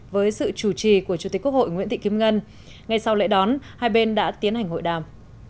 với sự chủ trì của chủ tịch quốc hội nguyễn thị kim ngân ngay sau lễ đón hai bên đã tiến hành hội đàm